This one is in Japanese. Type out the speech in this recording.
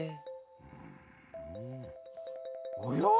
うんおや？